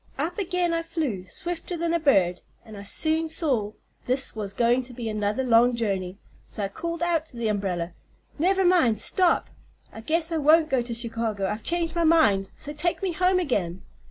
Up again I flew, swifter than a bird, and I soon saw this was going to be another long journey; so I called out to the umbrella: 'Never mind; stop! I guess I won't go to Chicago. I've changed my mind, so take me home again.'